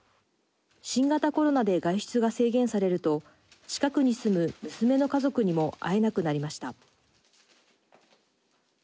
新型コロナで外出が制限されると近くに住む娘の家族にも会えなくなりました。